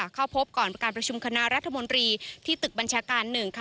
เข้าพบก่อนประการประชุมคณะรัฐมนตรีที่ตึกบัญชาการ๑